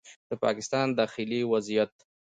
د پاکستان داخلي وضعیت